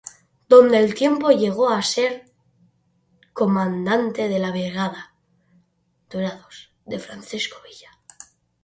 Con el tiempo llegó a ser comandante de la Brigada "Dorados de Francisco Villa".